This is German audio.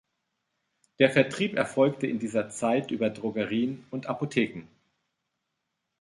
Der Vertrieb erfolgte in dieser Zeit über Drogerien und Apotheken.